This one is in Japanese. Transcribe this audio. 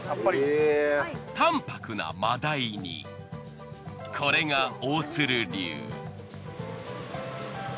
淡泊な真鯛にこれが大鶴流。